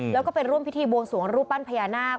แล้วก็ไปร่วมพิธีบวงสวงรูปปั้นพญานาค